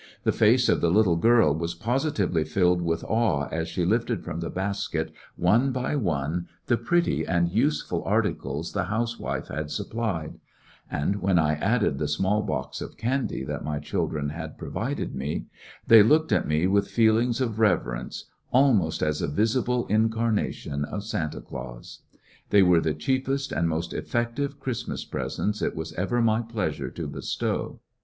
The face of the little girl was positively filled with awe as she lifted from the basket, one by one, the pretty and useful articles the house wife had supplied, and when I added the small box of candy that my children had pro vided me, they looked at me with feelings of reverence, almost as a visible incarnation of Santa Claus. They were the cheapest and most effective Christmas presents it was ever my pleasure to bestow.